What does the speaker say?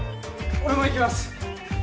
俺も行きます